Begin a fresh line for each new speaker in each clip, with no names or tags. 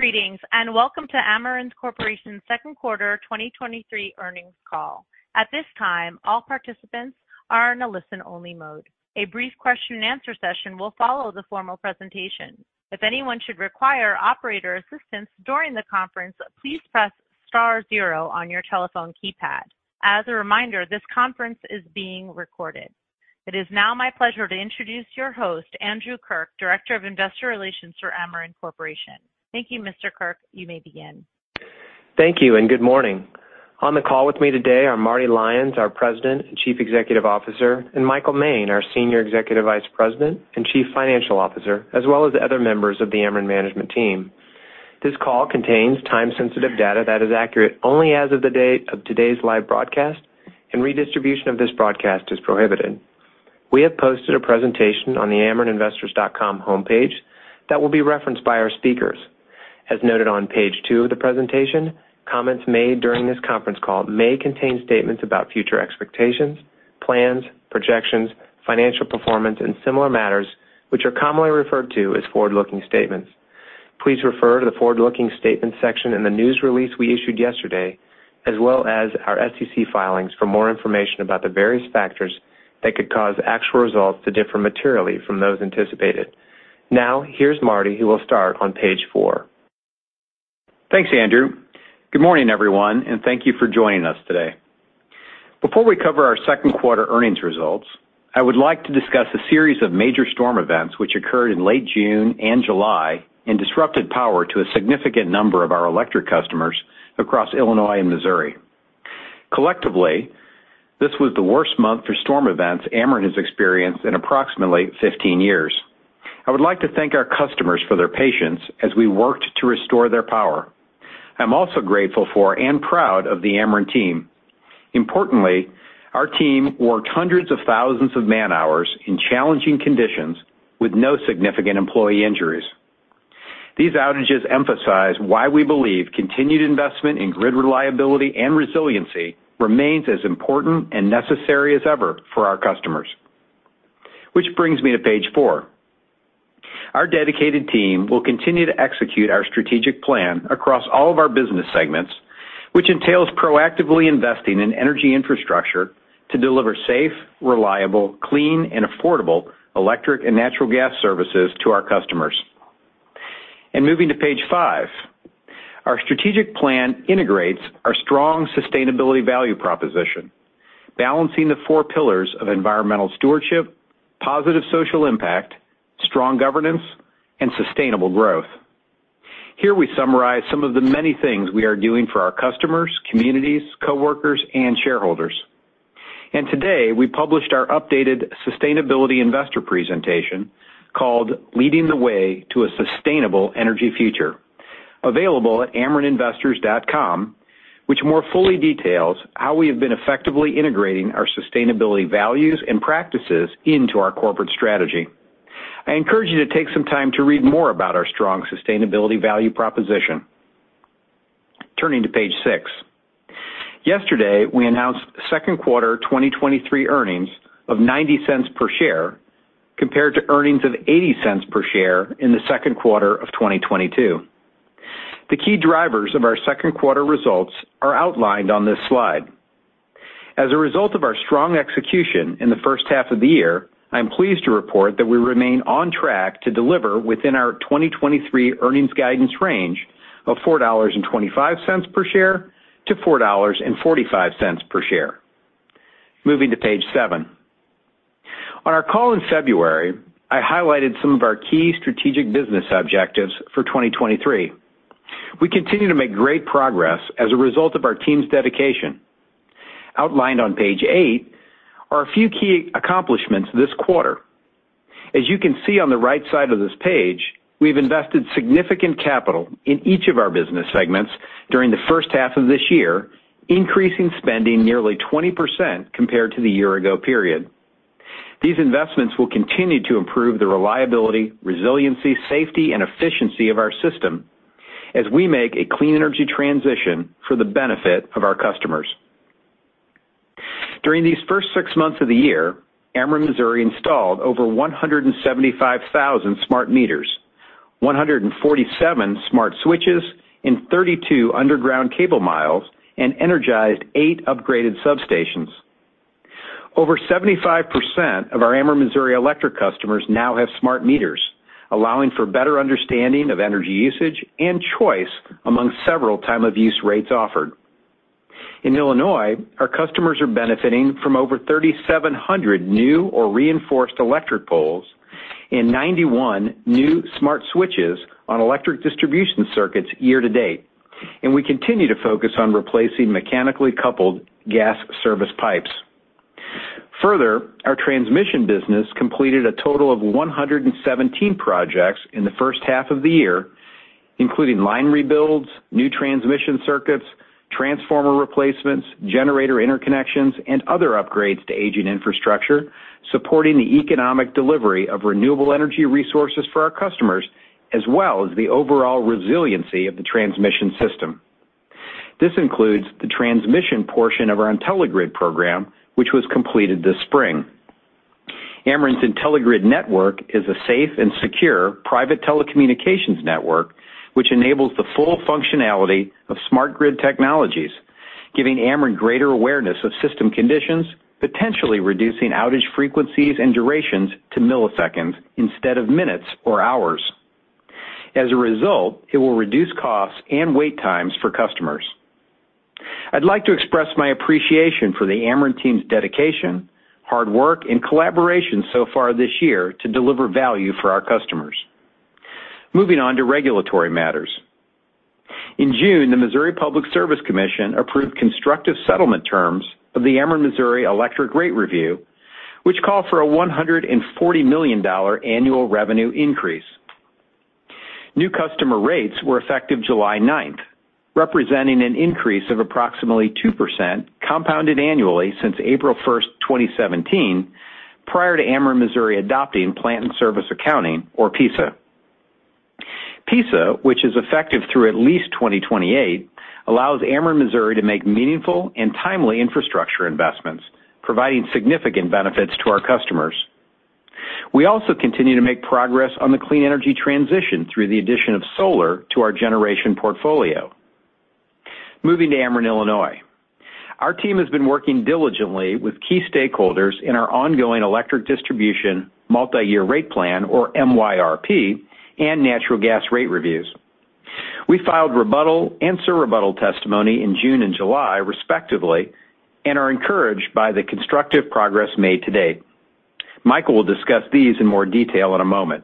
Greetings, welcome to Ameren Corporation's Second Quarter 2023 Earnings Call. At this time, all participants are in a listen-only mode. A brief question-and-answer session will follow the formal presentation. If anyone should require operator assistance during the conference, please press star 0 on your telephone keypad. As a reminder, this conference is being recorded. It is now my pleasure to introduce your host, Andrew Kirk, Director of Investor Relations for Ameren Corporation. Thank you, Mr. Kirk. You may begin.
Thank you, and good morning. On the call with me today are Marty Lyons, our President and Chief Executive Officer, and Michael Moehn, our Senior Executive Vice President and Chief Financial Officer, as well as other members of the Ameren management team. This call contains time-sensitive data that is accurate only as of the day of today's live broadcast, and redistribution of this broadcast is prohibited. We have posted a presentation on the amereninvestors.com homepage that will be referenced by our speakers. As noted on page two of the presentation, comments made during this conference call may contain statements about future expectations, plans, projections, financial performance, and similar matters, which are commonly referred to as forward-looking statements. Please refer to the forward-looking statement section in the news release we issued yesterday, as well as our SEC filings for more information about the various factors that could cause actual results to differ materially from those anticipated. Now, here's Marty, who will start on page four.
Thanks, Andrew. Good morning, everyone, and thank you for joining us today. Before we cover our second quarter earnings results, I would like to discuss a series of major storm events which occurred in late June and July and disrupted power to a significant number of our electric customers across Illinois and Missouri. Collectively, this was the worst month for storm events Ameren has experienced in approximately 15 years. I would like to thank our customers for their patience as we worked to restore their power. I'm also grateful for and proud of the Ameren team. Importantly, our team worked hundreds of thousands of man-hours in challenging conditions with no significant employee injuries. These outages emphasize why we believe continued investment in grid reliability and resiliency remains as important and necessary as ever for our customers, which brings me to page four. Our dedicated team will continue to execute our strategic plan across all of our business segments, which entails proactively investing in energy infrastructure to deliver safe, reliable, clean, and affordable electric and natural gas services to our customers. Moving to page five, our strategic plan integrates our strong sustainability value proposition, balancing the four pillars of environmental stewardship, positive social impact, strong governance, and sustainable growth. Here we summarize some of the many things we are doing for our customers, communities, coworkers, and shareholders. Today, we published our updated sustainability investor presentation called Leading the Way to a Sustainable Energy Future, available at amereninvestors.com, which more fully details how we have been effectively integrating our sustainability values and practices into our corporate strategy. I encourage you to take some time to read more about our strong sustainability value proposition. Turning to page six. Yesterday, we announced second quarter 2023 earnings of $0.90 per share, compared to earnings of $0.80 per share in the second quarter of 2022. The key drivers of our second quarter results are outlined on this slide. As a result of our strong execution in the first half of the year, I'm pleased to report that we remain on track to deliver within our 2023 earnings guidance range of $4.25 per share to $4.45 per share. Moving to page seven. On our call in February, I highlighted some of our key strategic business objectives for 2023. We continue to make great progress as a result of our team's dedication. Outlined on page eight are a few key accomplishments this quarter. As you can see on the right side of this page, we've invested significant capital in each of our business segments during the first half of this year, increasing spending nearly 20% compared to the year-ago period. These investments will continue to improve the reliability, resiliency, safety, and efficiency of our system as we make a clean energy transition for the benefit of our customers. During these first six months of the year, Ameren Missouri installed over 175,000 smart meters, 147 smart switches, and 32 underground cable miles, and energized eght upgraded substations. Over 75% of our Ameren Missouri Electric customers now have smart meters, allowing for better understanding of energy usage and choice among several time of use rates offered. In Illinois, our customers are benefiting from over 3,700 new or reinforced electric poles and 91 new smart switches on electric distribution circuits year to date, and we continue to focus on replacing mechanically coupled gas service pipes. Further, our transmission business completed a total of 117 projects in the first half of the year, including line rebuilds, new transmission circuits, transformer replacements, generator interconnections, and other upgrades to aging infrastructure, supporting the economic delivery of renewable energy resources for our customers, as well as the overall resiliency of the transmission system. This includes the transmission portion of our IntelliGrid program, which was completed this spring. Ameren's IntelliGrid network is a safe and secure private telecommunications network, which enables the full functionality of smart grid technologies, giving Ameren greater awareness of system conditions, potentially reducing outage frequencies and durations to milliseconds instead of minutes or hours. As a result, it will reduce costs and wait times for customers. I'd like to express my appreciation for the Ameren team's dedication, hard work, and collaboration so far this year to deliver value for our customers. Moving on to regulatory matters. In June, the Missouri Public Service Commission approved constructive settlement terms of the Ameren Missouri electric rate review, which call for a $140 million annual revenue increase. New customer rates were effective July 9th, representing an increase of approximately 2%, compounded annually since April 1st, 2017, prior to Ameren Missouri adopting Plant in Service Accounting or PISA. PISA, which is effective through at least 2028, allows Ameren Missouri to make meaningful and timely infrastructure investments, providing significant benefits to our customers. We also continue to make progress on the clean energy transition through the addition of solar to our generation portfolio. Moving to Ameren Illinois. Our team has been working diligently with key stakeholders in our ongoing electric distribution, Multi-Year Rate Plan, or MYRP, and natural gas rate reviews. We filed rebuttal and surrebuttal testimony in June and July, respectively, and are encouraged by the constructive progress made to date. Michael will discuss these in more detail in a moment.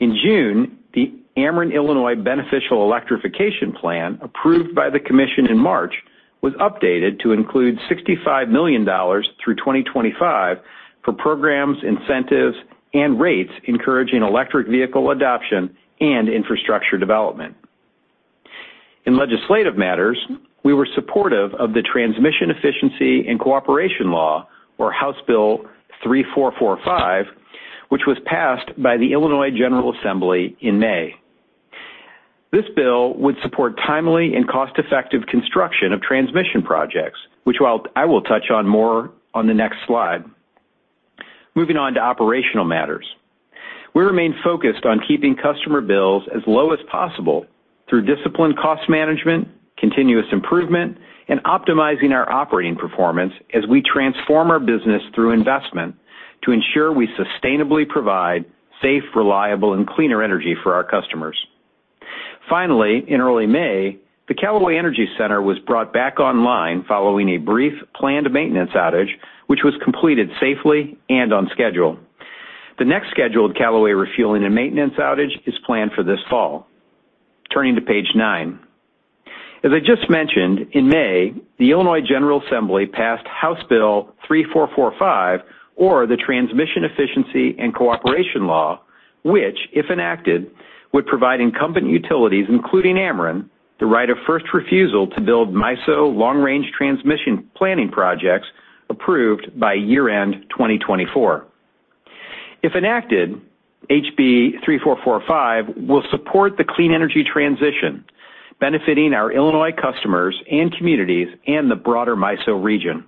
In June, the Ameren Illinois Beneficial Electrification Plan, approved by the commission in March, was updated to include $65 million through 2025 for programs, incentives, and rates, encouraging electric vehicle adoption and infrastructure development. In legislative matters, we were supportive of the Transmission Efficiency and Cooperation Law, or House Bill 3445, which was passed by the Illinois General Assembly in May. This bill would support timely and cost-effective construction of transmission projects, which I will touch on more on the next slide. Moving on to operational matters. We remain focused on keeping customer bills as low as possible through disciplined cost management, continuous improvement, and optimizing our operating performance as we transform our business through investment to ensure we sustainably provide safe, reliable, and cleaner energy for our customers. Finally, in early May, the Callaway Energy Center was brought back online following a brief planned maintenance outage, which was completed safely and on schedule. The next scheduled Callaway refueling and maintenance outage is planned for this fall. Turning to page nine. As I just mentioned, in May, the Illinois General Assembly passed House Bill 3445, or the Transmission Efficiency and Cooperation Law, which, if enacted, would provide incumbent utilities, including Ameren, the right of first refusal to build MISO long-range transmission planning projects approved by year-end 2024. If enacted, HB 3445 will support the clean energy transition, benefiting our Illinois customers and communities and the broader MISO region.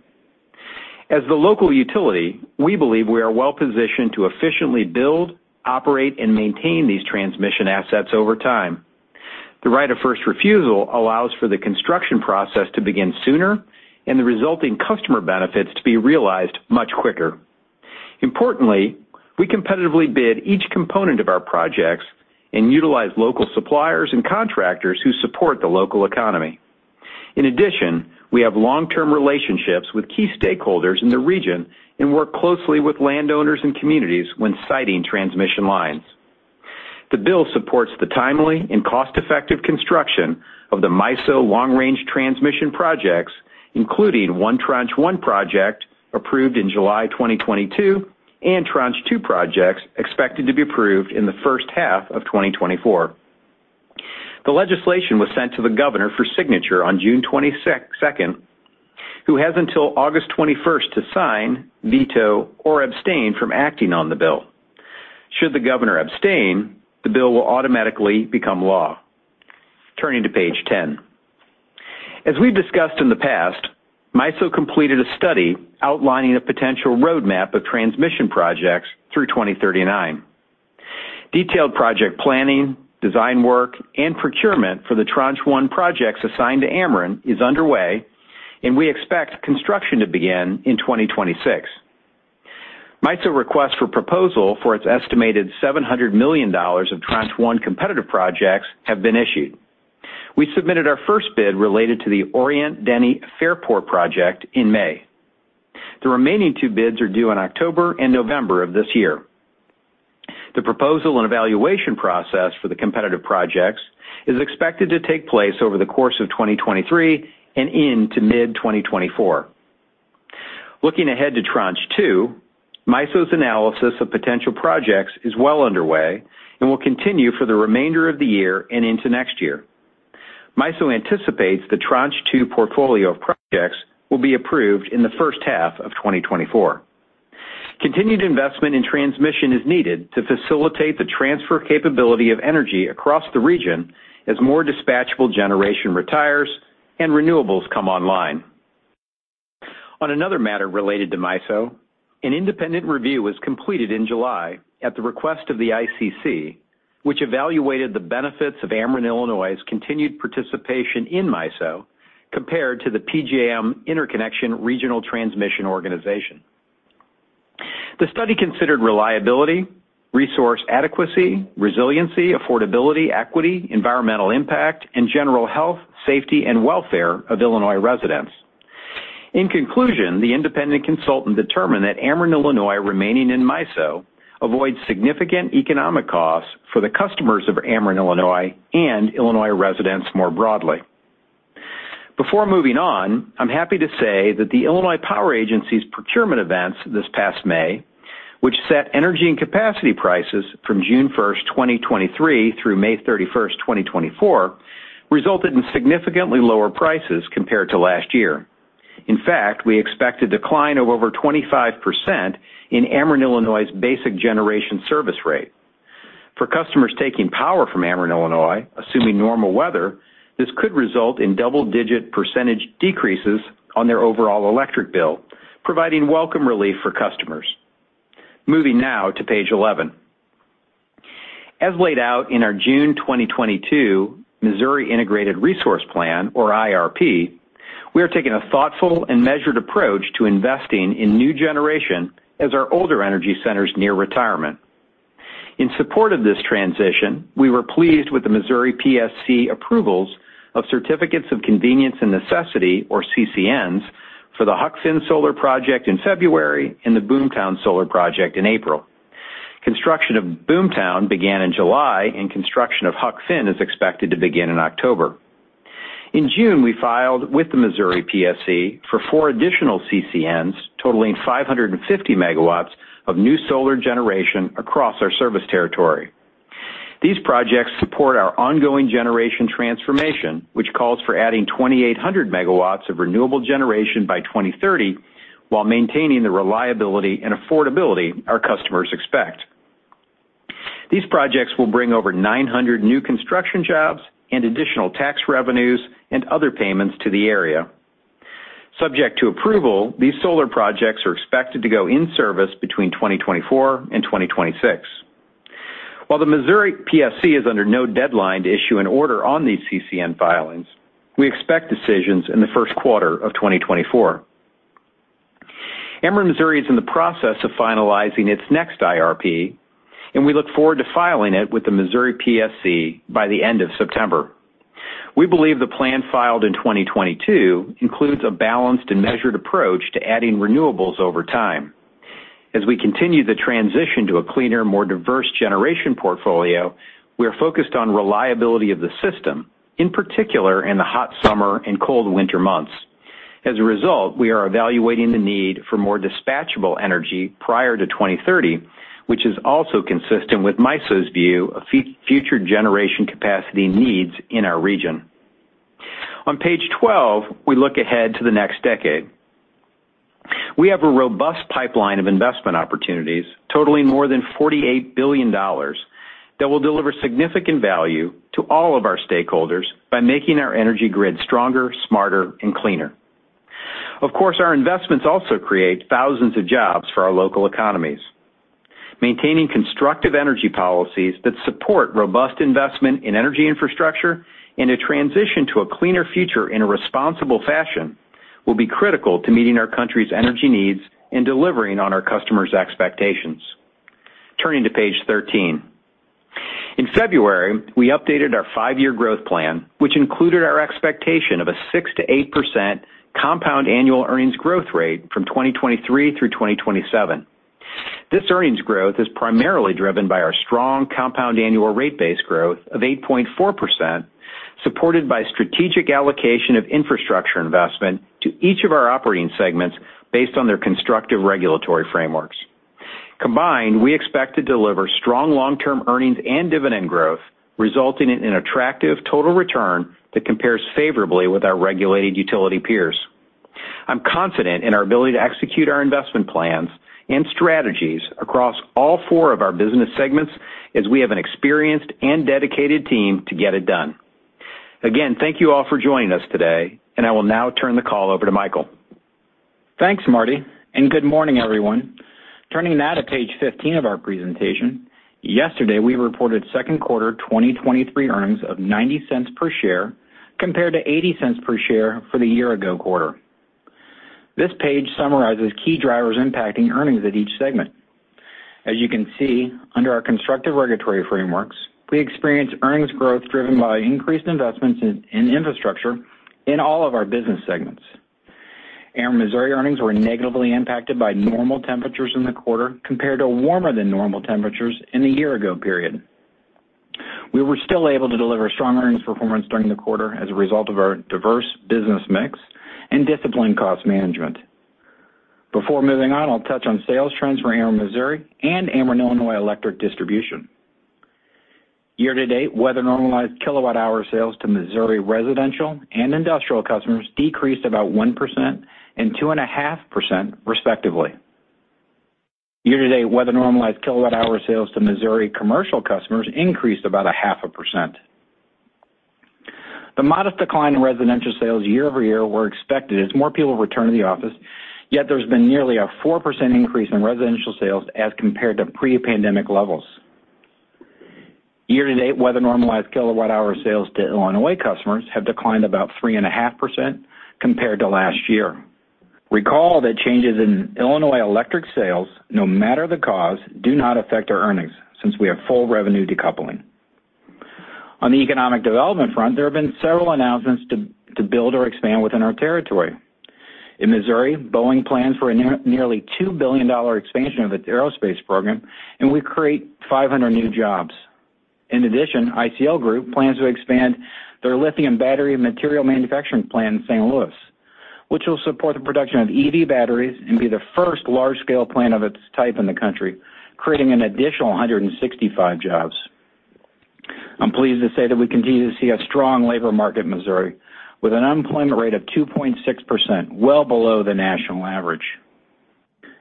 As the local utility, we believe we are well positioned to efficiently build, operate, and maintain these transmission assets over time. The right of first refusal allows for the construction process to begin sooner and the resulting customer benefits to be realized much quicker. Importantly, we competitively bid each component of our projects and utilize local suppliers and contractors who support the local economy. In addition, we have long-term relationships with key stakeholders in the region and work closely with landowners and communities when siting transmission lines. The bill supports the timely and cost-effective construction of the MISO long-range transmission projects, including one Tranche 1 project approved in July 2022, and Tranche 2 projects expected to be approved in the first half of 2024. The legislation was sent to the governor for signature on June 22nd, who has until August 21st to sign, veto, or abstain from acting on the bill. Should the governor abstain, the bill will automatically become law. Turning to page 10. As we've discussed in the past, MISO completed a study outlining a potential roadmap of transmission projects through 2039. Detailed project planning, design work, and procurement for the Tranche 1 projects assigned to Ameren is underway, and we expect construction to begin in 2026. MISO request for proposal for its estimated $700 million of Tranche 1 competitive projects have been issued. We submitted our first bid related to the Orient-Denny-Fairport project in May. The remaining two bids are due in October and November of this year. The proposal and evaluation process for the competitive projects is expected to take place over the course of 2023 and into mid-2024. Looking ahead to Tranche 2, MISO's analysis of potential projects is well underway and will continue for the remainder of the year and into next year. MISO anticipates the Tranche 2portfolio of projects will be approved in the first half of 2024. Continued investment in transmission is needed to facilitate the transfer capability of energy across the region as more dispatchable generation retires and renewables come online. On another matter related to MISO, an independent review was completed in July at the request of the ICC, which evaluated the benefits of Ameren Illinois' continued participation in MISO compared to the PJM Interconnection Regional Transmission Organization. The study considered reliability, resource adequacy, resiliency, affordability, equity, environmental impact, and general health, safety, and welfare of Illinois residents. In conclusion, the independent consultant determined that Ameren Illinois remaining in MISO avoids significant economic costs for the customers of Ameren Illinois and Illinois residents more broadly. Before moving on, I'm happy to say that the Illinois Power Agency's procurement events this past May, which set energy and capacity prices from June 1st, 2023, through May 31st, 2024, resulted in significantly lower prices compared to last year. In fact, we expect a decline of over 25% in Ameren Illinois' basic generation service rate. For customers taking power from Ameren Illinois, assuming normal weather, this could result in double-digit % decreases on their overall electric bill, providing welcome relief for customers. Moving now to page 11. As laid out in our June 2022 Missouri Integrated Resource Plan, or IRP, we are taking a thoughtful and measured approach to investing in new generation as our older energy centers near retirement. In support of this transition, we were pleased with the Missouri PSC approvals of certificates of convenience and necessity, or CCNs, for the Huck Finn Solar project in February and the Boomtown Solar project in April. Construction of Boomtown began in July, and construction of Huck Finn is expected to begin in October. In June, we filed with the four Missouri PSC for four additional CCNs, totaling 550 MW of new solar generation across our service territory. These projects support our ongoing generation transformation, which calls for adding 2,800 megawatts of renewable generation by 2030, while maintaining the reliability and affordability our customers expect. These projects will bring over 900 new construction jobs and additional tax revenues and other payments to the area. Subject to approval, these solar projects are expected to go in service between 2024 and 2026. While the Missouri PSC is under no deadline to issue an order on these CCN filings, we expect decisions in the first quarter of 2024. Ameren Missouri is in the process of finalizing its next IRP, we look forward to filing it with the Missouri PSC by the end of September. We believe the plan filed in 2022 includes a balanced and measured approach to adding renewables over time. As we continue the transition to a cleaner, more diverse generation portfolio, we are focused on reliability of the system, in particular, in the hot summer and cold winter months. As a result, we are evaluating the need for more dispatchable energy prior to 2030, which is also consistent with MISO's view of future generation capacity needs in our region. On page 12, we look ahead to the next decade. We have a robust pipeline of investment opportunities totaling more than $48 billion that will deliver significant value to all of our stakeholders by making our energy grid stronger, smarter, and cleaner. Of course, our investments also create thousands of jobs for our local economies. Maintaining constructive energy policies that support robust investment in energy infrastructure and a transition to a cleaner future in a responsible fashion will be critical to meeting our country's energy needs and delivering on our customers' expectations. Turning to page 13. In February, we updated our five-year growth plan, which included our expectation of a 6%-8% compound annual earnings growth rate from 2023 through 2027. This earnings growth is primarily driven by our strong compound annual rate base growth of 8.4%, supported by strategic allocation of infrastructure investment to each of our operating segments based on their constructive regulatory frameworks. Combined, we expect to deliver strong long-term earnings and dividend growth, resulting in an attractive total return that compares favorably with our regulated utility peers. I'm confident in our ability to execute our investment plans and strategies across all four of our business segments, as we have an experienced and dedicated team to get it done. Again, thank you all for joining us today, and I will now turn the call over to Michael.
Thanks, Marty, good morning, everyone. Turning now to page 15 of our presentation. Yesterday, we reported second quarter 2023 earnings of $0.90 per share, compared to $0.80 per share for the year-ago quarter. This page summarizes key drivers impacting earnings at each segment. As you can see, under our constructive regulatory frameworks, we experienced earnings growth driven by increased investments in, in infrastructure in all of our business segments. Ameren Missouri earnings were negatively impacted by normal temperatures in the quarter compared to warmer than normal temperatures in the year-ago period. We were still able to deliver strong earnings performance during the quarter as a result of our diverse business mix and disciplined cost management. Before moving on, I'll touch on sales trends for Ameren Missouri and Ameren Illinois Electric Distribution. Year-to-date, weather-normalized kilowatt-hour sales to Missouri residential and industrial customers decreased about 1% and 2.5%, respectively. Year-to-date, weather-normalized kilowatt-hour sales to Missouri commercial customers increased about 0.5%. The modest decline in residential sales year-over-year were expected as more people return to the office, yet there's been nearly a 4% increase in residential sales as compared to pre-pandemic levels. Year-to-date, weather-normalized kilowatt-hour sales to Illinois customers have declined about 3.5% compared to last year. Recall that changes in Illinois electric sales, no matter the cause, do not affect our earnings, since we have full revenue decoupling. On the economic development front, there have been several announcements to build or expand within our territory. In Missouri, Boeing plans for a nearly $2 billion expansion of its aerospace program, and will create 500 new jobs. In addition, ICL Group plans to expand their lithium battery material manufacturing plant in St. Louis, which will support the production of EV batteries and be the first large-scale plant of its type in the country, creating an additional 165 jobs. I'm pleased to say that we continue to see a strong labor market in Missouri, with an unemployment rate of 2.6%, well below the national average.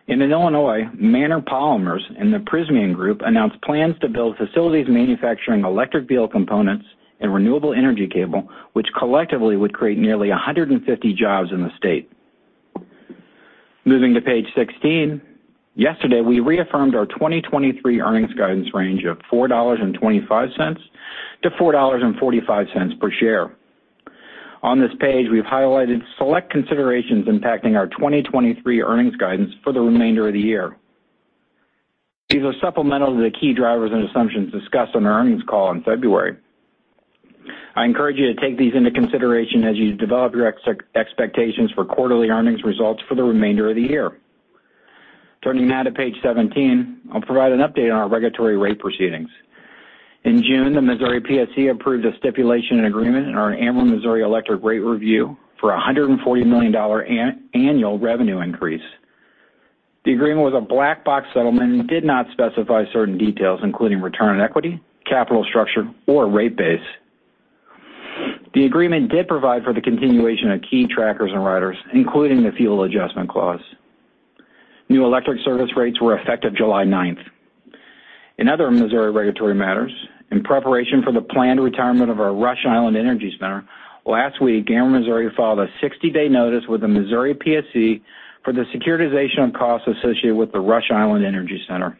In Illinois, Manner Polymers and the Prysmian Group announced plans to build facilities manufacturing electric vehicle components and renewable energy cable, which collectively would create nearly 150 jobs in the state. Moving to page 16, yesterday, we reaffirmed our 2023 earnings guidance range of $4.25 to $4.45 per share. On this page, we've highlighted select considerations impacting our 2023 earnings guidance for the remainder of the year. These are supplemental to the key drivers and assumptions discussed on our earnings call in February. I encourage you to take these into consideration as you develop your expectations for quarterly earnings results for the remainder of the year. Turning now to page 17, I'll provide an update on our regulatory rate proceedings. In June, the Missouri PSC approved a stipulation and agreement in our Ameren Missouri Electric Rate review for a $140 million annual revenue increase. The agreement was a black box settlement and did not specify certain details, including return on equity, capital structure, or rate base. The agreement did provide for the continuation of key trackers and riders, including the fuel adjustment clause. New electric service rates were effective July 9th. In other Missouri regulatory matters, in preparation for the planned retirement of our Rush Island Energy Center, last week, Ameren Missouri filed a 60-day notice with the Missouri PSC for the securitization of costs associated with the Rush Island Energy Center.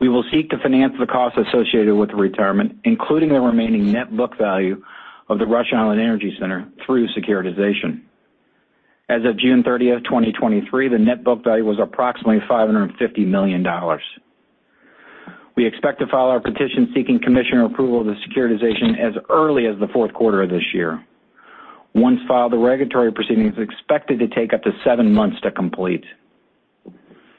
We will seek to finance the costs associated with the retirement, including the remaining net book value of the Rush Island Energy Center, through securitization. As of June 30th, 2023, the net book value was approximately $550 million. We expect to file our petition seeking commissioner approval of the securitization as early as the fourth quarter of this year. Once filed, the regulatory proceeding is expected to take up to seven months to complete.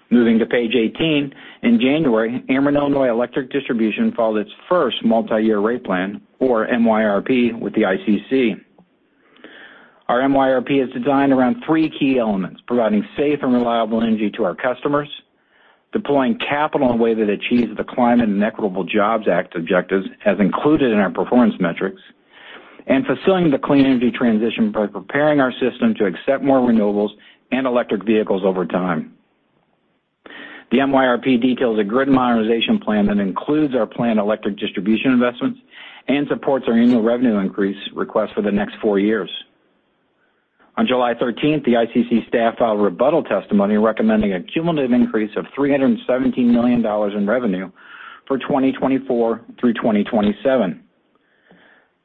Moving to page 18, in January, Ameren Illinois Electric Distribution filed its first Multi-Year Rate Plan, or MYRP, with the ICC. Our MYRP is designed around three key elements: providing safe and reliable energy to our customers, deploying capital in a way that achieves the Climate and Equitable Jobs Act objectives, as included in our performance metrics, and facilitating the clean energy transition by preparing our system to accept more renewables and electric vehicles over time. The MYRP details a grid modernization plan that includes our planned electric distribution investments and supports our annual revenue increase request for the next four years. On July 13th, the ICC staff filed a rebuttal testimony recommending a cumulative increase of $317 million in revenue for 2024 through 2027.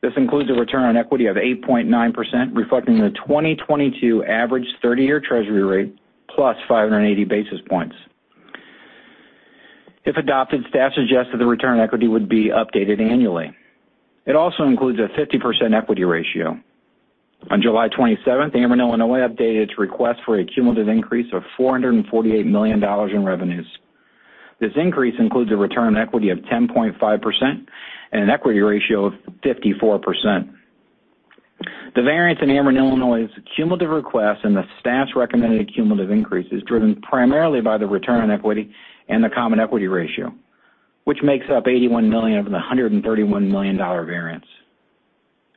This includes a return on equity of 8.9%, reflecting the 2022 average 30-year Treasury rate, plus 580 basis points. If adopted, staff suggests that the return on equity would be updated annually. It also includes a 50% equity ratio. On July 27th, Ameren Illinois updated its request for a cumulative increase of $448 million in revenues. This increase includes a return on equity of 10.5% and an equity ratio of 54%. The variance in Ameren Illinois's cumulative request and the staff's recommended cumulative increase is driven primarily by the return on equity and the common equity ratio, which makes up $81 million of the $131 million variance.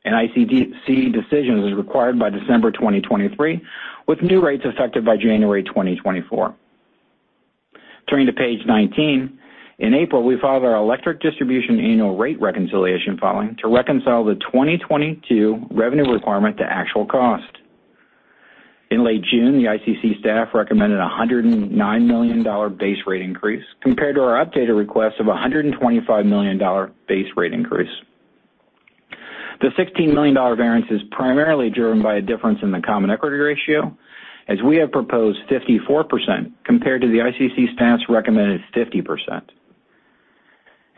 An ICC decision is required by December 2023, with new rates effective by January 2024. Turning to page 19, in April, we filed our electric distribution annual rate reconciliation filing to reconcile the 2022 revenue requirement to actual cost. In late June, the ICC staff recommended a $109 million base rate increase compared to our updated request of a $125 million base rate increase. The $16 million variance is primarily driven by a difference in the common equity ratio, as we have proposed 54%, compared to the ICC staff's recommended 50%.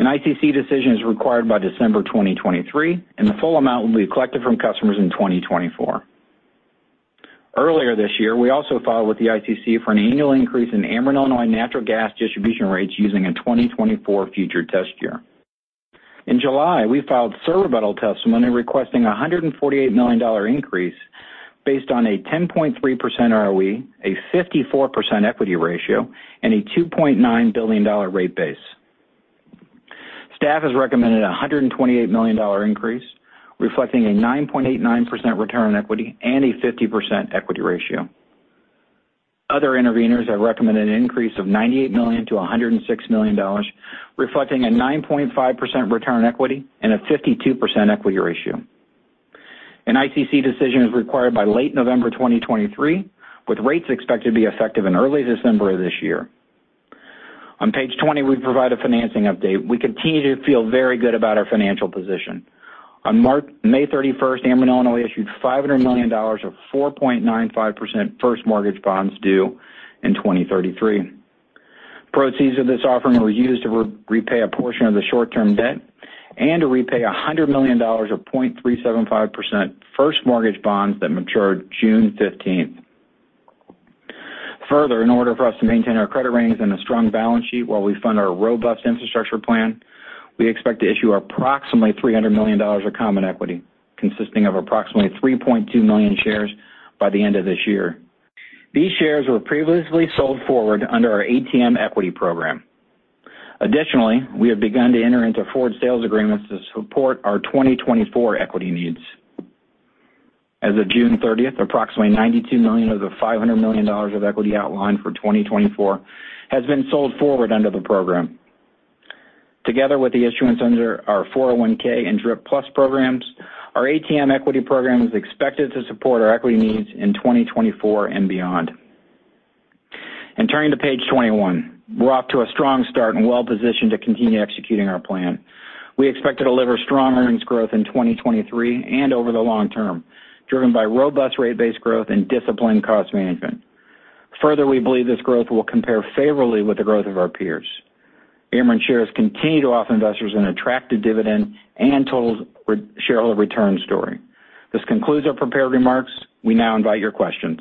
An ICC decision is required by December 2023, and the full amount will be collected from customers in 2024. Earlier this year, we also filed with the ICC for an annual increase in Ameren Illinois natural gas distribution rates using a 2024 future test year. In July, we filed surrebuttal testimony requesting a $148 million increase based on a 10.3% ROE, a 54% equity ratio, and a $2.9 billion rate base. Staff has recommended a $128 million increase, reflecting a 9.89% return on equity and a 50% equity ratio. Other interveners have recommended an increase of $98 million-$106 million, reflecting a 9.5% return on equity and a 52% equity ratio. An ICC decision is required by late November 2023, with rates expected to be effective in early December of this year. On page 20, we provide a financing update. We continue to feel very good about our financial position. On May 31st, Ameren Illinois issued $500 million of 4.95% First Mortgage Bonds due in 2033. Proceeds of this offering were used to repay a portion of the short-term debt and to repay $100 million of 0.375% First Mortgage Bonds that matured June 15th. In order for us to maintain our credit ratings and a strong balance sheet while we fund our robust infrastructure plan, we expect to issue approximately $300 million of common equity, consisting of approximately 3.2 million shares by the end of this year. These shares were previously sold forward under our ATM equity program. We have begun to enter into forward sales agreements to support our 2024 equity needs. As of June 30th, approximately $92 million of the $500 million of equity outlined for 2024 has been sold forward under the program. Together with the issuance under our 401(k) and DRPlus programs, our ATM equity program is expected to support our equity needs in 2024 and beyond. Turning to page 21. We're off to a strong start and well-positioned to continue executing our plan. We expect to deliver strong earnings growth in 2023 and over the long term, driven by robust rate-based growth and disciplined cost management. Further, we believe this growth will compare favorably with the growth of our peers. Ameren shares continue to offer investors an attractive dividend and total re-shareholder return story. This concludes our prepared remarks. We now invite your questions.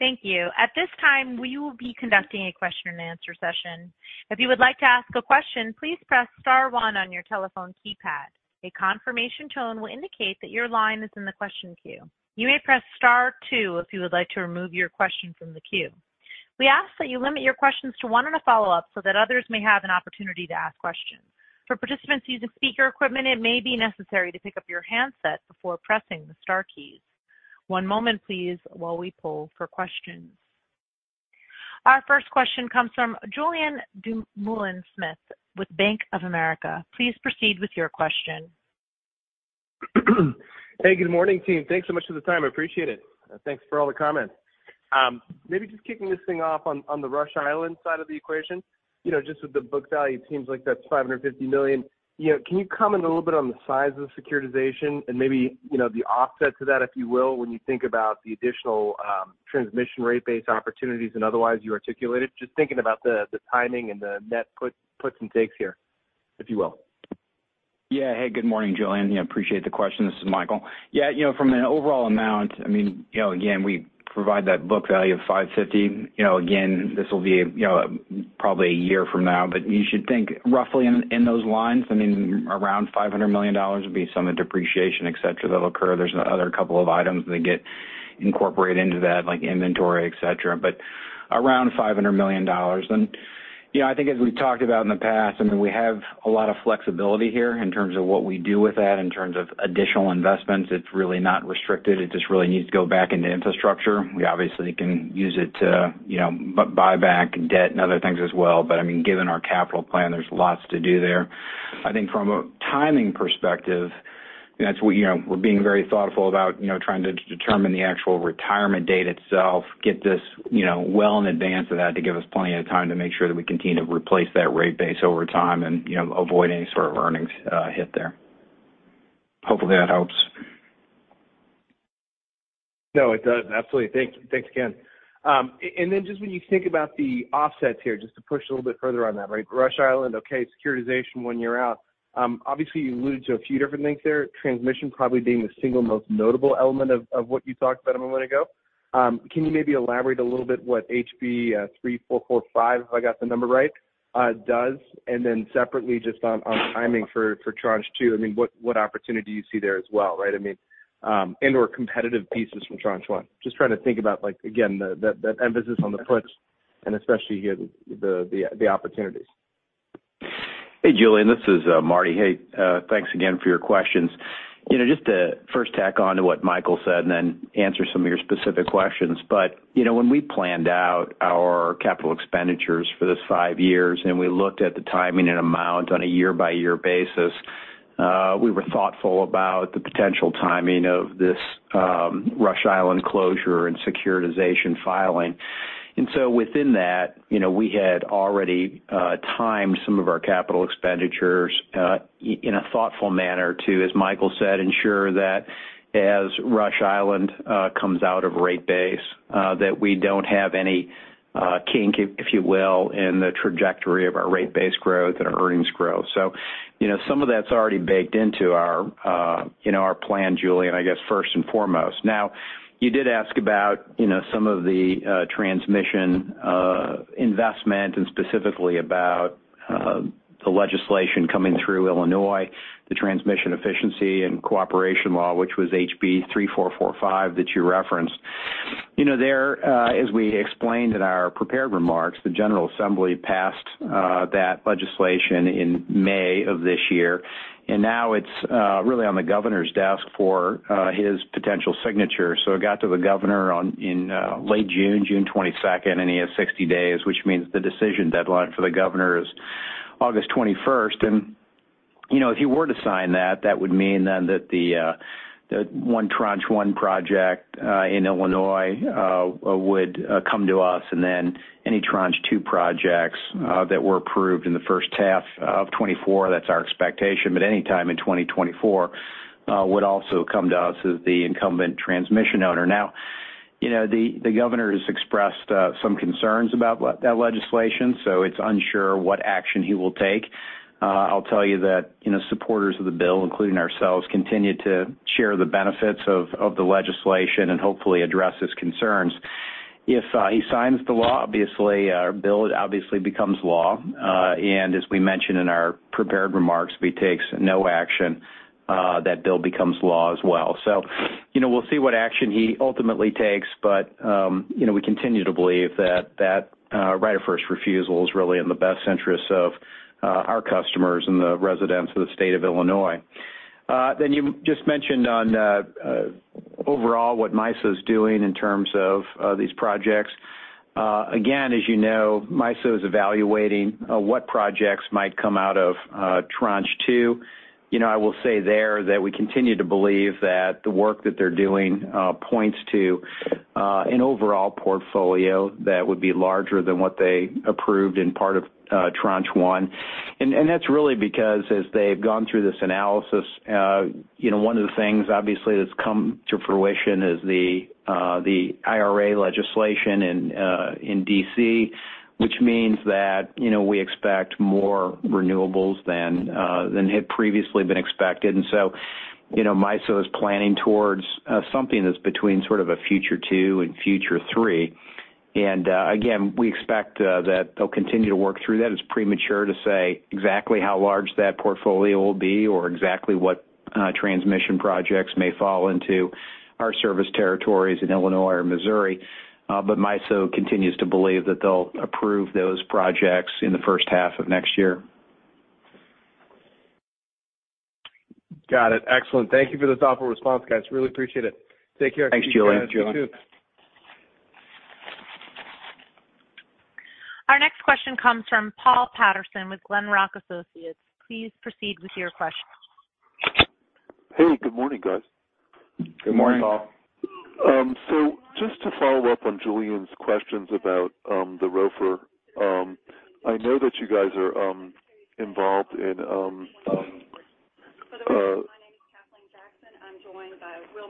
Thank you. At this time, we will be conducting a question-and-answer session. If you would like to ask a question, please press star one on your telephone keypad. A confirmation tone will indicate that your line is in the question queue. You may press star two if you would like to remove your question from the queue. We ask that you limit your questions to one and a follow-up so that others may have an opportunity to ask questions. For participants using speaker equipment, it may be necessary to pick up your handset before pressing the star keys. One moment, please, while we poll for questions. Our first question comes from Julien Dumoulin-Smith with Bank of America. Please proceed with your question.
Hey, good morning, team. Thanks so much for the time. I appreciate it. Thanks for all the comments. Maybe just kicking this thing off on, on the Rush Island side of the equation. You know, just with the book value, it seems like that's $550 million. You know, can you comment a little bit on the size of the securitization and maybe, you know, the offset to that, if you will, when you think about the additional transmission rate base opportunities and otherwise you articulated? Just thinking about the, the timing and the net put-puts and takes here, if you will.
Yeah. Hey, good morning, Julien. Yeah, appreciate the question. This is Michael. Yeah, you know, from an overall amount, I mean, you know, again, we provide that book value of $550 million. You know, again, this will be, you know, probably a year from now, but you should think roughly in, in those lines, I mean, around $500 million would be some of the depreciation, et cetera, that'll occur. There's another couple of items that get incorporated into that, like inventory, et cetera, but around $500 million. You know, I think as we've talked about in the past, I mean, we have a lot of flexibility here in terms of what we do with that, in terms of additional investments. It's really not restricted. It just really needs to go back into infrastructure. We obviously can use it to, you know, buy back debt and other things as well. I mean, given our capital plan, there's lots to do there. I think from a timing perspective, that's what, you know, we're being very thoughtful about, you know, trying to determine the actual retirement date itself, get this, you know, well in advance of that to give us plenty of time to make sure that we continue to replace that rate base over time and, you know, avoid any sort of earnings hit there. Hopefully, that helps.
No, it does. Absolutely. Thank you. Thanks again. Then just when you think about the offsets here, just to push a little bit further on that, right? Rush Island, okay, securitization when you're out. Obviously, you alluded to a few different things there, transmission probably being the single most notable element of, of what you talked about a moment ago. Can you maybe elaborate a little bit what HB 3445, if I got the number right, does? Then separately, just on, on timing for, for Tranche 2, I mean, what, what opportunity you see there as well, right? I mean, and/or competitive pieces from Tranche 1. Just trying to think about, like, again, the, that, that emphasis on the puts and especially the, the, the opportunities.
Hey, Julien, this is Marty. Hey, thanks again for your questions. You know, just to first tack on to what Michael said and then answer some of your specific questions. You know, when we planned out our capital expenditures for this five years, and we looked at the timing and amount on a year-by-year basis, we were thoughtful about the potential timing of this Rush Island closure and securitization filing. Within that, you know, we had already timed some of our capital expenditures in a thoughtful manner to, as Michael said, ensure that as Rush Island comes out of rate base, that we don't have any kink, if you will, in the trajectory of our rate base growth and earnings growth. You know, some of that's already baked into our, you know, our plan, Julien, I guess, first and foremost. You did ask about, you know, some of the transmission investment, and specifically about the legislation coming through Illinois, the Transmission Efficiency and Cooperation Law, which was HB 3445 that you referenced. You know, there, as we explained in our prepared remarks, the General Assembly passed that legislation in May of this year, and now it's really on the governor's desk for his potential signature. It got to the governor on, in late June, June 22nd, and he has 60 days, which means the decision deadline for the governor is August 21st. You know, if he were to sign that, that would mean then that the one Tranche 1 project in Illinois would come to us, and then any Tranche 2 projects that were approved in the first half of 2024, that's our expectation, but anytime in 2024, would also come to us as the incumbent transmission owner. You know, the, the governor has expressed some concerns about that legislation, so it's unsure what action he will take. I'll tell you that, you know, supporters of the bill, including ourselves, continue to share the benefits of, of the legislation and hopefully address his concerns. If he signs the law, obviously, our bill obviously becomes law. As we mentioned in our prepared remarks, if he takes no action, that bill becomes law as well. You know, we'll see what action he ultimately takes, but, you know, we continue to believe that that right of first refusal is really in the best interest of our customers and the residents of the state of Illinois. You just mentioned on overall, what MISO is doing in terms of these projects. Again, as you know, MISO is evaluating what projects might come out of Tranche 2. You know, I will say there that we continue to believe that the work that they're doing points to an overall portfolio that would be larger than what they approved in part of Tranche 1. That's really because as they've gone through this analysis, you know, one of the things, obviously, that's come to fruition is the IRA legislation in D.C., which means that, you know, we expect more renewables than had previously been expected. MISO is planning towards something that's between sort of a Future 2 and Future 3. Again, we expect that they'll continue to work through that. It's premature to say exactly how large that portfolio will be or exactly what, transmission projects may fall into our service territories in Illinois or Missouri, but MISO continues to believe that they'll approve those projects in the first half of next year.
Got it. Excellent. Thank you for the thoughtful response, guys. Really appreciate it. Take care.
Thanks, Julien.
Thanks, Julien.
Our next question comes from Paul Patterson with Glenrock Associates. Please proceed with your question.
Hey, good morning, guys.
Good morning, Paul.
Just to follow up on Julien's questions about the ROFR. I know that you guys are involved in.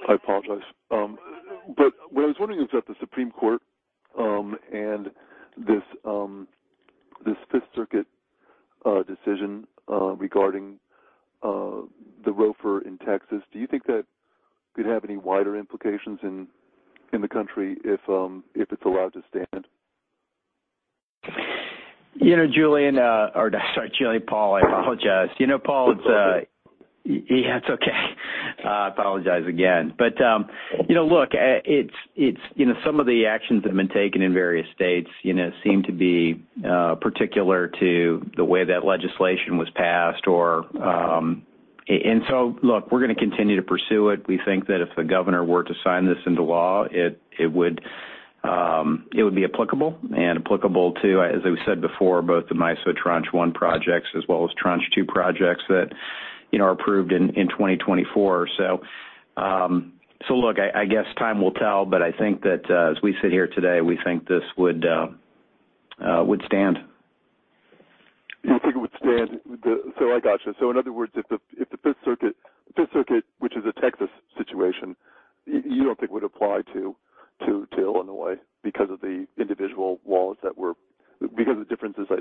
I apologize. What I was wondering is that the Supreme Court and this Fifth Circuit decision regarding the ROFR in Texas, do you think that could have any wider implications in the country if it's allowed to stand?
You know, Julien, or sorry, Julien, Paul, I apologize. You know, Paul, it's. Yeah, it's okay. I apologize again. You know, look, it's, it's, you know, some of the actions that have been taken in various states, you know, seem to be particular to the way that legislation was passed or. Look, we're going to continue to pursue it. We think that if the governor were to sign this into law, it, it would be applicable and applicable to, as we said before, both the MISO Tranche 1 projects as well as Tranche 2 projects that, you know, are approved in 2024. So look, I, I guess time will tell, but I think that as we sit here today, we think this would would stand.
You think it would stand. I got you. In other words, if the, if the Fifth Circuit, Fifth Circuit, which is a Texas situation, you don't think would apply to, to, to Illinois because of the individual laws because of the differences, I,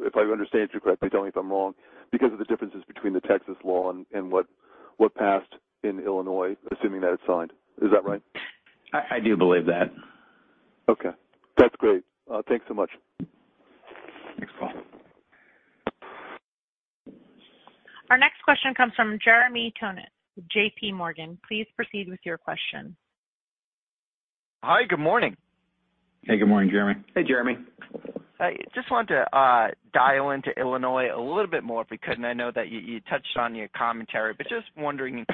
if I understand you correctly, but tell me if I'm wrong, because of the differences between the Texas law and, and what, what passed in Illinois, assuming that it's signed. Is that right?
I, I do believe that.
Okay. That's great. Thanks so much.
Our next question comes from Jeremy Tonet with JPMorgan. Please proceed with your question.
Hi, good morning.
Hey, good morning, Jeremy.
Hey, Jeremy.
I just wanted to, dial into Illinois a little bit more, if we could, and I know that you, you touched on your commentary, but just wondering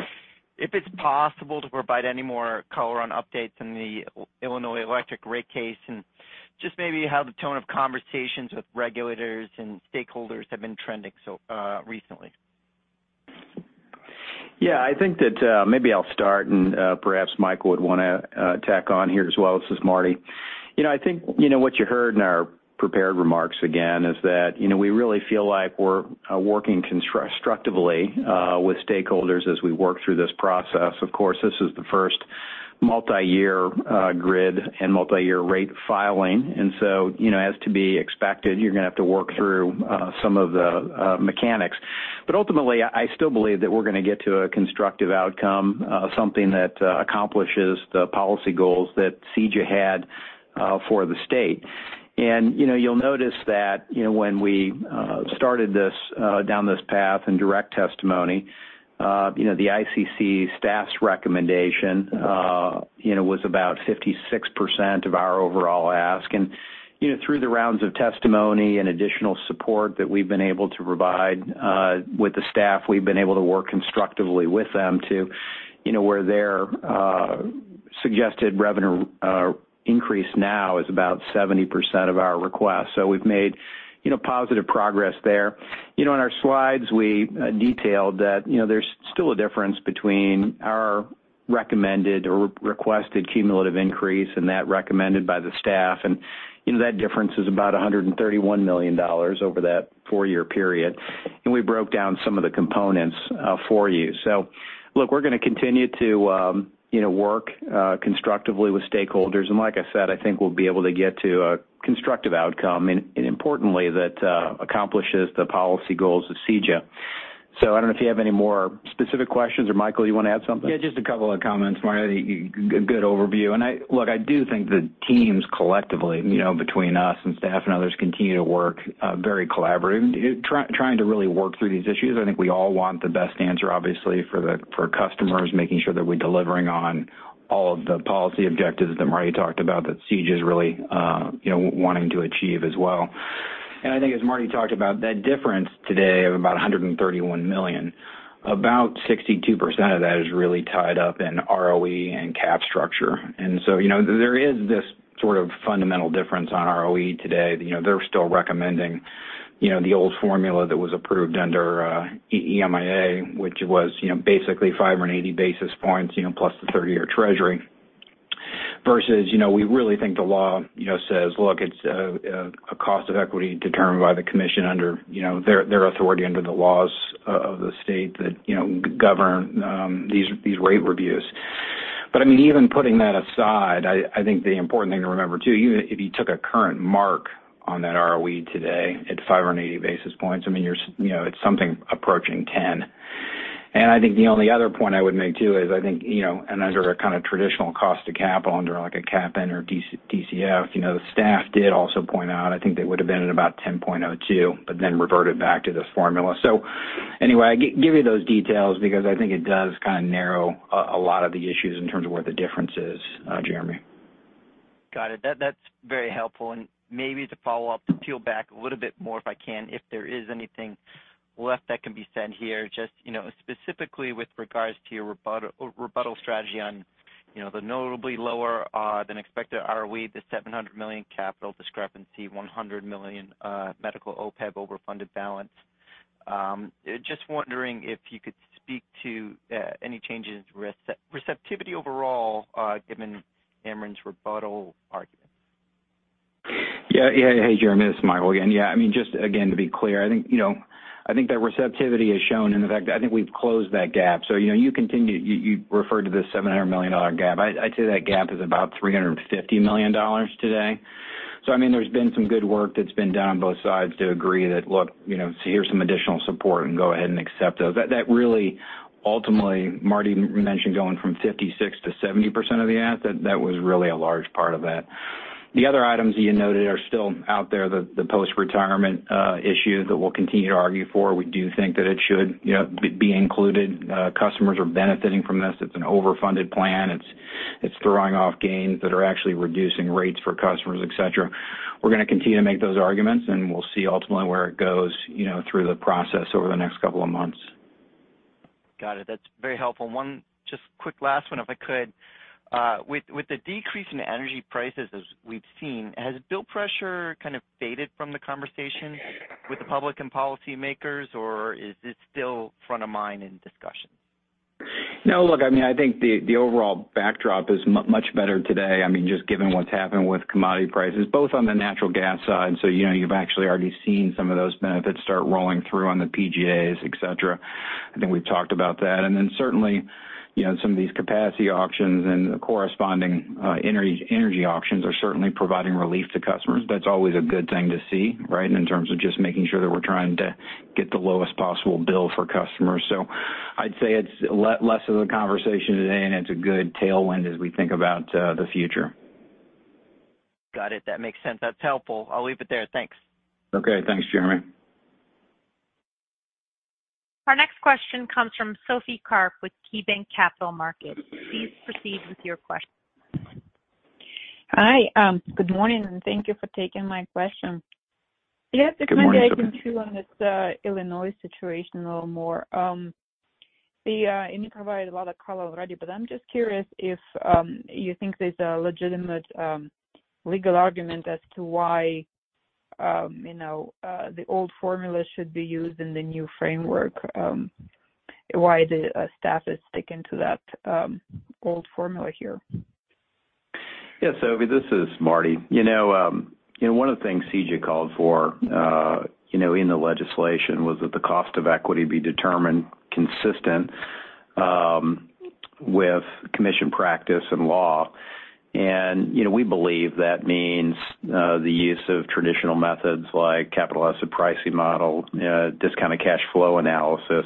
if it's possible to provide any more color on updates in the Illinois electric rate case, and just maybe how the tone of conversations with regulators and stakeholders have been trending so, recently.
Yeah, I think that, maybe I'll start and, perhaps Michael would want to, tack on here as well. This is Marty. You know, I think, you know, what you heard in our prepared remarks, again, is that, you know, we really feel like we're working constructively with stakeholders as we work through this process. Of course, this is the first multiyear, grid and multiyear rate filing, and so, you know, as to be expected, you're going to have to work through some of the mechanics. But ultimately, I still believe that we're going to get to a constructive outcome, something that accomplishes the policy goals that CEJA had for the state. You know, you'll notice that, you know, when we started this down this path in direct testimony, you know, the ICC staff's recommendation, you know, was about 56% of our overall ask. You know, through the rounds of testimony and additional support that we've been able to provide with the staff, we've been able to work constructively with them to, you know, where their suggested revenue increase now is about 70% of our request. We've made, you know, positive progress there. You know, in our slides, we detailed that, you know, there's still a difference between our recommended or re-requested cumulative increase and that recommended by the staff. You know, that difference is about $131 million over that four-year period, and we broke down some of the components for you. Look, we're going to continue to, you know, work constructively with stakeholders. Like I said, I think we'll be able to get to a constructive outcome and, importantly, that accomplishes the policy goals of CEJA. I don't know if you have any more specific questions, or Michael, you want to add something?
Yeah, just a couple of comments, Marty. Good overview. I look, I do think the teams collectively, you know, between us and staff and others, continue to work very collaboratively, trying to really work through these issues. I think we all want the best answer, obviously, for the customers, making sure that we're delivering on all of the policy objectives that Marty talked about, that CEJA is really, you know, wanting to achieve as well. I think, as Marty talked about, that difference today of about $131 million, about 62% of that is really tied up in ROE and cap structure. So, you know, there is this sort of fundamental difference on ROE today. You know, they're still recommending, you know, the old formula that was approved under EEMIA, which was, you know, basically 580 basis points, you know, plus the 30-year treasury. Versus, you know, we really think the law, you know, says, "Look, it's a, a, cost of equity determined by the commission under, you know, their, their authority under the laws of, of the state that, you know, govern these, these rate reviews." I mean, even putting that aside, I, I think the important thing to remember, too, even if you took a current mark on that ROE today at 580 basis points, I mean, you're you know, it's something approaching 10. I think the only other point I would make, too, is I think, you know, under a kind of traditional cost of capital, under like a CAPM or DCF, you know, the staff did also point out, I think they would have been at about 10.02, but then reverted back to this formula. Anyway, I give you those details because I think it does kind of narrow a, a lot of the issues in terms of where the difference is, Jeremy.
Got it. That, that's very helpful. Maybe to follow up, to peel back a little bit more, if I can, if there is anything left that can be said here, just specifically with regards to your rebuttal strategy on the notably lower than expected ROE, the $700 million capital discrepancy, $100 million medical OPEB overfunded balance. Just wondering if you could speak to any changes to receptivity overall, given Ameren's rebuttal arguments?
Yeah. Yeah. Hey, Jeremy, this is Michael again. Yeah, I mean, just again, to be clear, I think, you know, I think that receptivity is shown in the fact that I think we've closed that gap. You know, you referred to the $700 million gap. I'd say that gap is about $350 million today. I mean, there's been some good work that's been done on both sides to agree that, look, you know, here's some additional support and go ahead and accept those. That, that really, ultimately, Marty mentioned going from 56%-70% of the ask. That, that was really a large part of that. The other items that you noted are still out there, the, the post-retirement issues that we'll continue to argue for. We do think that it should, you know, be, be included. Customers are benefiting from this. It's an overfunded plan. It's, it's throwing off gains that are actually reducing rates for customers, et cetera. We're going to continue to make those arguments, and we'll see ultimately where it goes, you know, through the process over the next couple of months.
Got it. That's very helpful. One, just quick last one, if I could. With, with the decrease in energy prices, as we've seen, has bill pressure kind of faded from the conversation with the public and policymakers, or is this still front of mind in discussions?
No, look, I mean, I think the overall backdrop is much better today. I mean, just given what's happened with commodity prices, both on the natural gas side. You know, you've actually already seen some of those benefits start rolling through on the PGAs, et cetera. I think we've talked about that. Then certainly, you know, some of these capacity auctions and corresponding energy, energy auctions are certainly providing relief to customers. That's always a good thing to see, right? In terms of just making sure that we're trying to get the lowest possible bill for customers. I'd say it's less of a conversation today, and it's a good tailwind as we think about the future.
Got it. That makes sense. That's helpful. I'll leave it there. Thanks.
Okay. Thanks, Jeremy.
Our next question comes from Sophie Karp with KeyBanc Capital Markets. Please proceed with your question.
Hi, good morning, and thank you for taking my question.
Good morning, Sophie.
I'd like to touch on this Illinois situation a little more. You provided a lot of color already, but I'm just curious if you think there's a legitimate legal argument as to why, you know, the old formula should be used in the new framework? Why the staff is sticking to that old formula here?
Yes, Sophie, this is Marty. You know, you know, one of the things CEJA called for, you know, in the legislation, was that the cost of equity be determined consistent with commission practice and law. You know, we believe that means the use of traditional methods like Capital Asset Pricing Model, Discounted Cash Flow analysis.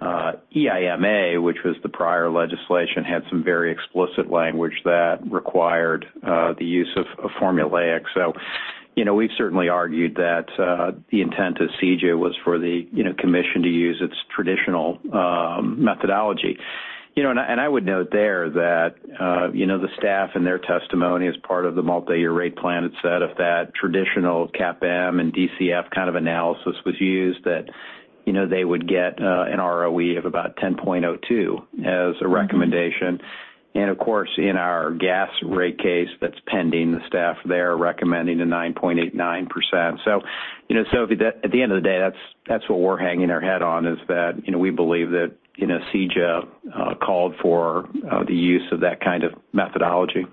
EIMA, which was the prior legislation, had some very explicit language that required the use of, of formulaic. You know, we've certainly argued that the intent of CEJA was for the, you know, commission to use its traditional methodology. You know, and I, and I would note there that, you know, the staff and their testimony as part of the Multi-Year Rate Plan had said if that traditional CAPM and DCF kind of analysis was used, that, you know, they would get an ROE of about 10.02% as a recommendation. Of course, in our gas rate case, that's pending, the staff there are recommending a 9.89%. You know, Sophie, at the end of the day, that's, that's what we're hanging our head on, is that, you know, we believe that, you know, CEJA called for the use of that kind of methodology.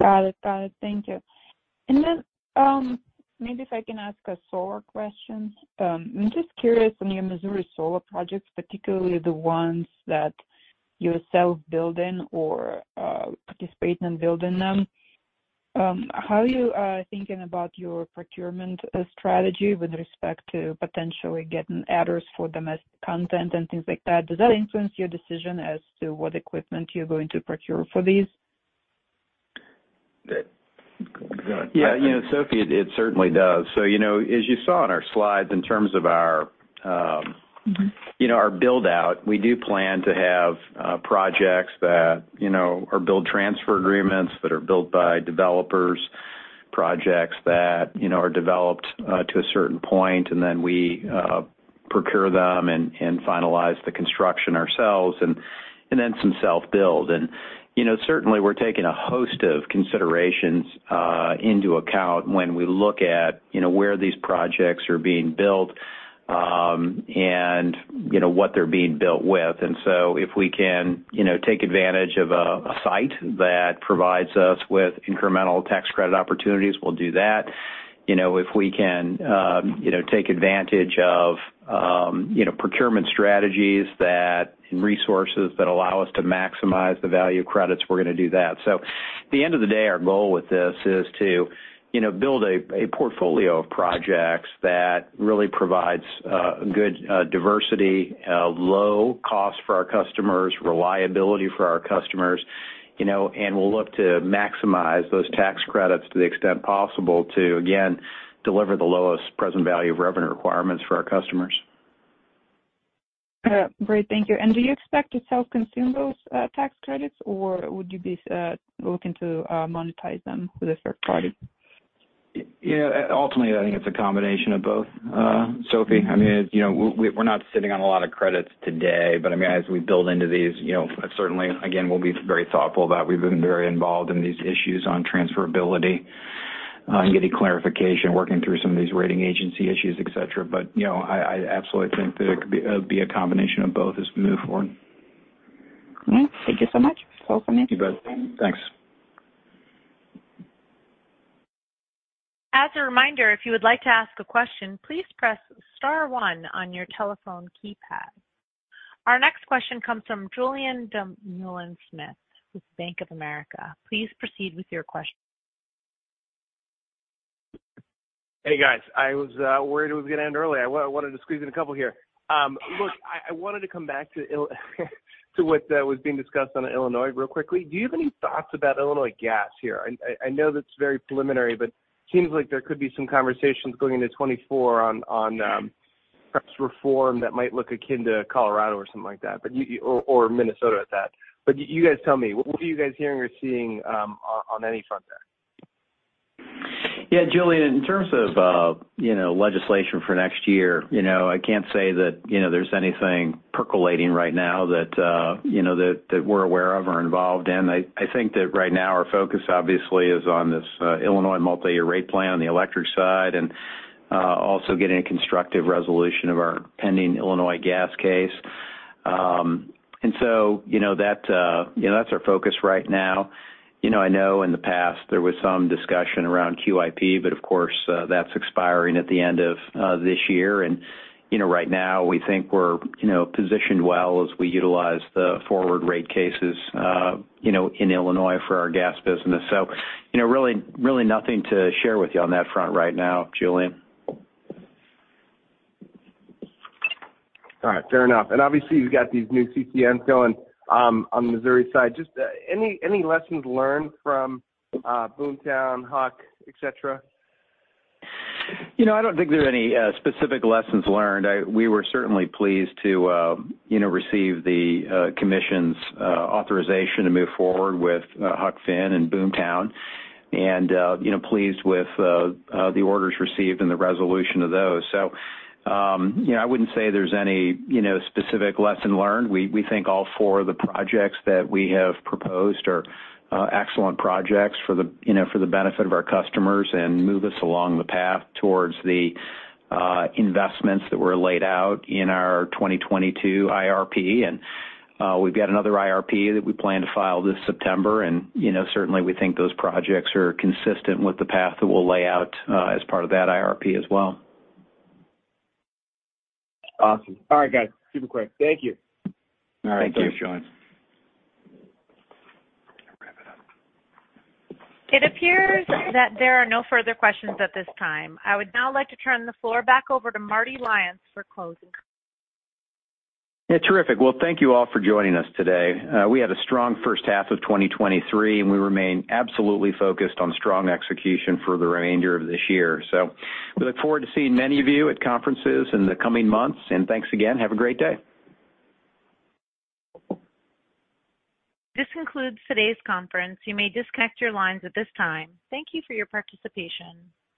Got it. Got it. Thank you. Maybe if I can ask a solar question. I'm just curious, on your Missouri solar projects, particularly the ones that you're self-building or participating in building them, how are you thinking about your procurement strategy with respect to potentially getting adders for domestic content and things like that? Does that influence your decision as to what equipment you're going to procure for these?
Yeah, you know, Sophie, it, it certainly does. You know, as you saw in our slides, in terms of our, you know, our build-out, we do plan to have projects that, you know, are build transfer agreements that are built by developers, projects that, you know, are developed to a certain point, and then we procure them and finalize the construction ourselves, and then some self-build. You know, certainly we're taking a host of considerations into account when we look at, you know, where these projects are being built, and, you know, what they're being built with. If we can, you know, take advantage of a site that provides us with incremental tax credit opportunities, we'll do that. You know, if we can, you know, take advantage of, you know, procurement strategies and resources that allow us to maximize the value of credits, we're going to do that. At the end of the day, our goal with this is to, you know, build a portfolio of projects that really provides good diversity, low cost for our customers, reliability for our customers, you know, and we'll look to maximize those tax credits to the extent possible to, again, deliver the lowest present value of revenue requirements for our customers.
Great. Thank you. Do you expect to self-consume those tax credits, or would you be looking to monetize them with a third party?
Yeah, ultimately, I think it's a combination of both, Sophie. I mean, as you know, we're not sitting on a lot of credits today, but, I mean, as we build into these, you know, certainly, again, we'll be very thoughtful that we've been very involved in these issues on transferability and getting clarification, working through some of these rating agency issues, et cetera. You know, I, I absolutely think that it could be a combination of both as we move forward.
All right. Thank you so much.
You bet. Thanks.
As a reminder, if you would like to ask a question, please press star one on your telephone keypad. Our next question comes from Julien Dumoulin-Smith with Bank of America. Please proceed with your question.
Hey, guys. I was worried it was going to end early. I wanted to squeeze in a couple here. Look, I, I wanted to come back to to what was being discussed on Illinois real quickly. Do you have any thoughts about Illinois Gas here? I, I know that's very preliminary, but seems like there could be some conversations going into 2024 on, on, perhaps reform that might look akin to Colorado or something like that, but or, or Minnesota at that. You guys tell me, what are you guys hearing or seeing, on, on any front there?
Yeah, Julien, in terms of, you know, legislation for next year, you know, I can't say that, you know, there's anything percolating right now that, you know, that, that we're aware of or involved in. I think that right now our focus obviously is on this, Illinois Multi-Year Rate Plan on the electric side, and also getting a constructive resolution of our pending Illinois gas case. You know, that, you know, that's our focus right now. You know, I know in the past there was some discussion around QIP, but of course, that's expiring at the end of this year. You know, right now we think we're, you know, positioned well as we utilize the forward rate cases, you know, in Illinois for our gas business. You know, really, really nothing to share with you on that front right now, Julien.
All right, fair enough. Obviously, you've got these new CCNs going on the Missouri side. Just any lessons learned from Boomtown, Huck, et cetera?
You know, I don't think there are any specific lessons learned. We were certainly pleased to, you know, receive the commission's authorization to move forward with Huck Finn and Boomtown, and, you know, pleased with the orders received and the resolution of those. I wouldn't say there's any, you know, specific lesson learned. We, we think all four of the projects that we have proposed are excellent projects for the, you know, for the benefit of our customers and move us along the path towards the investments that were laid out in our 2022 IRP. We've got another IRP that we plan to file this September, and, you know, certainly we think those projects are consistent with the path that we'll lay out as part of that IRP as well.
Awesome. All right, guys. Super quick. Thank you.
All right. Thank you, Julien.
It appears that there are no further questions at this time. I would now like to turn the floor back over to Marty Lyons for closing comments.
Yeah, terrific. Well, thank you all for joining us today. We had a strong first half of 2023, and we remain absolutely focused on strong execution for the remainder of this year. We look forward to seeing many of you at conferences in the coming months, and thanks again. Have a great day.
This concludes today's conference. You may disconnect your lines at this time. Thank you for your participation.